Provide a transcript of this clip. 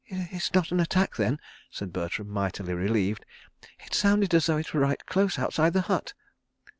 .." "It's not an attack, then?" said Bertram, mightily relieved. "It sounded as though it were right close outside the hut.